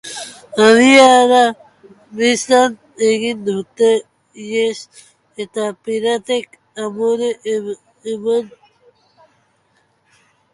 Abiada bizian egin dute ihes eta piratek amore eman dute.